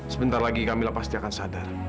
sebentar lagi kami pasti akan sadar